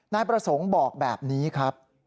นายประสงค์บอกแบบนี้ครับ